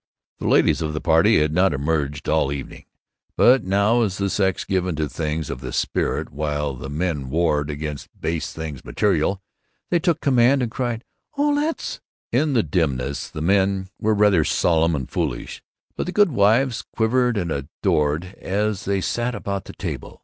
The ladies of the party had not emerged all evening, but now, as the sex given to things of the spirit while the men warred against base things material, they took command and cried, "Oh, let's!" In the dimness the men were rather solemn and foolish, but the goodwives quivered and adored as they sat about the table.